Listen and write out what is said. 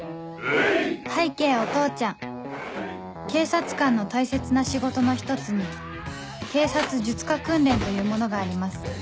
拝啓お父ちゃん警察官の大切な仕事の一つに警察術科訓練というものがあります